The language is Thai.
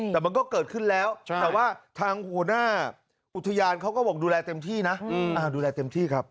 แต่มันก็เกิดขึ้นแล้วแต่ว่าทางหัวหน้าอุทยานเขาก็บอกดูแลเต็มที่นะดูแลเต็มที่ครับ